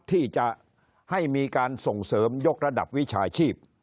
ที่จะให้มีการส่งเสริมยกระดับวิชาชีพ